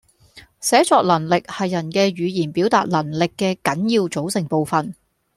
寫作能力係人嘅語言表達能力嘅緊要組成部分